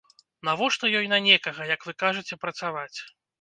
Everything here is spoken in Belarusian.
Навошта ёй на некага, як вы кажаце, працаваць?